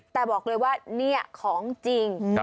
แต่บอกเลยว่านี่ของจริง